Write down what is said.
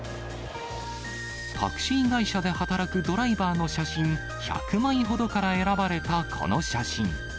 タクシー会社で働くドライバーの写真１００枚ほどから選ばれたこの写真。